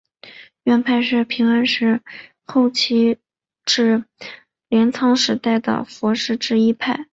院派是平安时代后期至镰仓时代的佛师之一派。